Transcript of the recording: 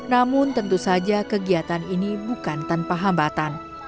namun tentu saja kegiatan ini bukan tanpa hambatan